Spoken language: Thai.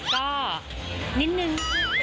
ก็นิดนึง